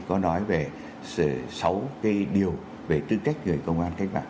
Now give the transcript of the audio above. có nói về sáu cái điều về tư cách người công an cách mạng